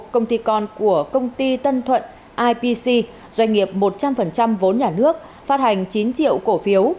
công ty con của công ty tân thuận ipc doanh nghiệp một trăm linh vốn nhà nước phát hành chín triệu cổ phiếu